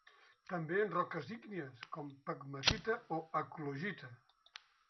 També en roques ígnies com pegmatita o eclogita.